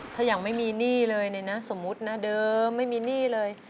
ถ้ายังไม่มีหนี้เลยเนี่ยนะสมมุตินะเดิมไม่มีหนี้เลย